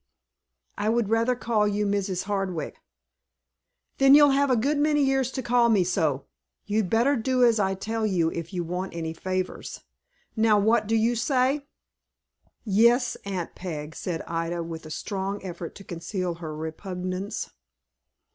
"I would rather call you Mrs. Hardwick." "Then you'll have a good many years to call me so. You'd better do as I tell you if you want any favors. Now what do you say?" "Yes, Aunt Peg," said Ida, with a strong effort to conceal her repugnance.